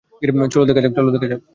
চলো দেখা যাক।